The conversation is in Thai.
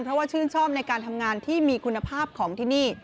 เพราะว่าชื่นชอบในการทำงานที่มีคุณภาพของที่นี่